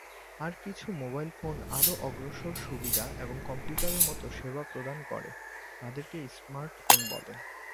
আর কিছু mobile phone আরও অগ্রসর সুবিধা এবং কম্পিউটারের মত সেবা প্রদান করে, তাদেরকে স্মার্ট ফোন বলে।